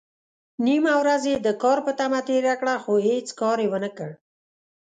نيمه ورځ يې د کار په تمه تېره کړه، خو هيڅ کار يې ونکړ.